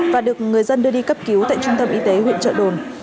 và được người dân đưa đi cấp cứu tại trung tâm y tế huyện trợ đồn